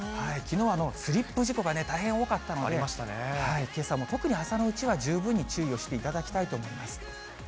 きのうはスリップ事故が大変多かったので、けさも特に朝のうちは十分に注意をしていただきたいと思います。